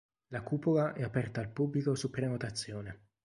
La cupola è aperta al pubblico su prenotazione.